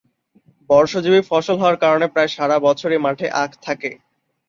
বর্ষজীবী ফসল হওয়ার কারণে প্রায় সারা বছরই মাঠে আখ থাকে।